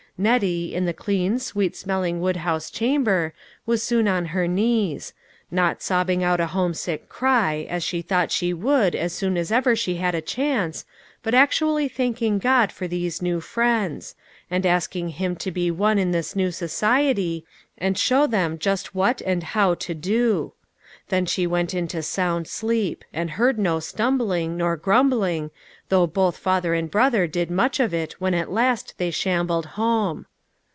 Nettie, in the clean, sweet smelling woodhouse chamber, was soon on her keees ; not sobbing out a homesick cry, as she thought she would, as soon as ever she had a chance, but actually thanking God for these new friends ; and asking Him to be One in this new society, and show them just what and how to do. Then she went into sound sleep ; and heard no stumbling, nor grumbling, though both father and brother did much of it when at last they shambled home.